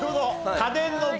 家電の５。